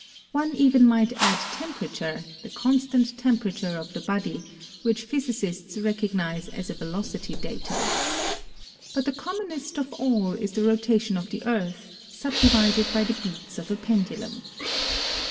One even might add temperature, the constant temperature of the body, which physicists recognize as a velocity datum. But the commonest of all is the rotation of the Earth, subdivided by the beats of a pendulum.